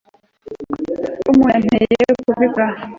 tom yanteye kubikora